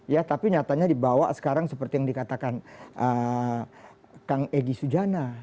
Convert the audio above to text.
ya tapi nyatanya dibawa sekarang seperti yang dikatakan kang egy sujana